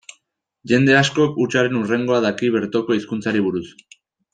Jende askok hutsaren hurrengoa daki bertoko hizkuntzari buruz.